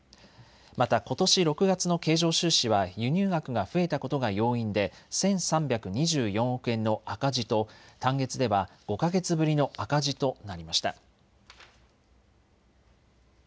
またことし６月の経常収支は輸入額が増えたことが要因で１３２４億円の赤字と単月では５か月ぶりの赤字となりました。